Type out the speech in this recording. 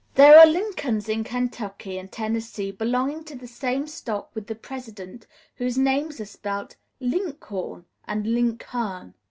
There are Lincolns in Kentucky and Tennessee belonging to the same stock with the President, whose names are spelled "Linkhorn" and "Linkhern."